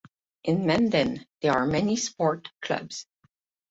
In Menden there are many sport clubs.